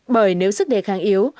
bởi nếu sức đề kháng yếu